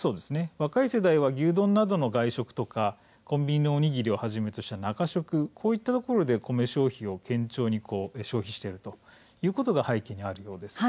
若い世代は牛丼などの外食とかコンビニのおにぎりをはじめとした、中食こういったところで米消費を堅調に消費しているということが背景にあります。